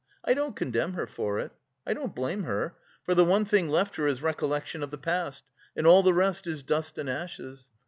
I don't condemn her for it, I don't blame her, for the one thing left her is recollection of the past, and all the rest is dust and ashes.